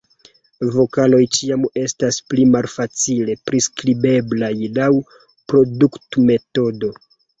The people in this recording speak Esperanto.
Vokaloj ĉiam estas pli malfacile priskribeblaj laŭ produktmetodo.